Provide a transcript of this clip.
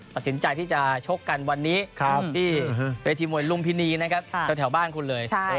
ตัดสินใจที่จะชกกันวันนี้ที่เวทีมวยลุมพินีนะครับแถวบ้านคุณเลย